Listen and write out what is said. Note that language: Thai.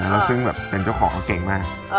แล้วซึ่งแบบเป็นเจ้าของเขาเก่งมาก